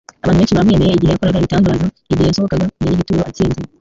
Abantu benshi bamwemeye igihe yakoraga ibitangaza igihe yasohokaga nny gituro atsinze,